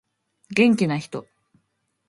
元気な人